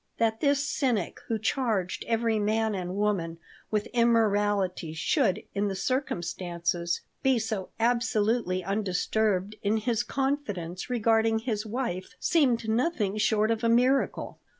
That this cynic who charged every man and woman with immorality should, in the circumstances, be so absolutely undisturbed in his confidence regarding his wife seemed nothing short of a miracle.